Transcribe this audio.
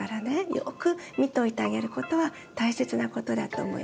よく見といてあげることは大切なことだと思います。